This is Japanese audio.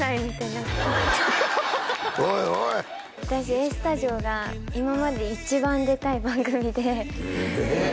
私「ＡＳＴＵＤＩＯ＋」が今まで一番出たい番組でえっ